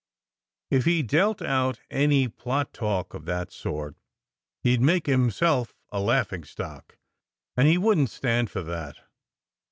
If he dealt out any plot talk of that sort, he d make him self a laughing stock, and he wouldn t stand for that.